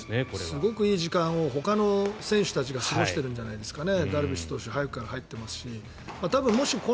すごくいい時間をほかの選手たち過ごしているんじゃないですかね。